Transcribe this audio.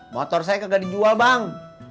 motor saya kagak dijual bang